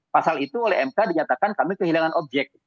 pasal itu oleh mk dinyatakan kami kehilangan objek